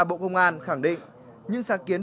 bộ công an khẳng định những sáng kiến